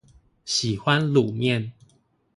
喜歡滷麵